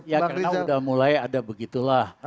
ya karena udah mulai ada begitulah